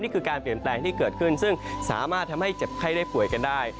การเปลี่ยนแปลงที่เกิดขึ้นซึ่งสามารถทำให้เจ็บไข้ได้ป่วยกันได้